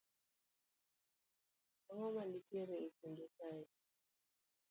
Ang'o ma nitie e kindu kae.